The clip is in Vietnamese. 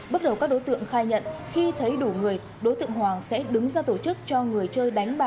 bước đầu các đối tượng khai nhận khi thấy đủ người đối tượng hoàng sẽ đứng ra tổ chức cho người chơi đánh bạc